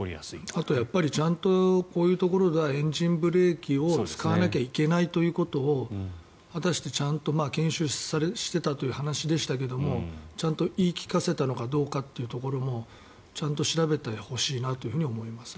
あとやっぱりちゃんとこういうところではエンジンブレーキを使わなければいけないということを果たしてちゃんと研修していたという話でしたけどちゃんと言い聞かせたのかどうかというところもちゃんと調べてほしいと思います。